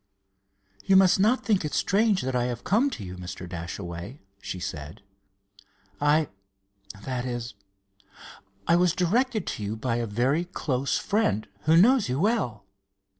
"You must not think it strange that I have come to you, Mr. Dashaway," she said. "I—that is, I was directed to you by a very close friend, who knows you well."